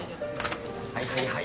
はいはいはい。